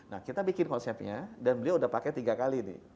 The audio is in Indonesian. nah kita bikin konsepnya dan beliau udah pakai tiga kali nih